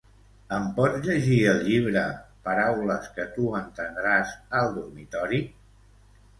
Em pots llegir el llibre "Paraules que tu entendràs" al dormitori?